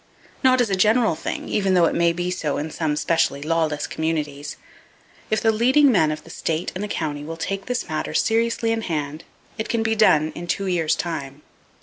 Not as a general thing, even though it may be so in some specially lawless communities. If the leading men of the state and the county will take this matter seriously in hand, it can be done in two years' time.